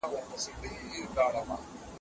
د بشري حقونو رعایت د هرې ټولني اساسي مسولیت دی.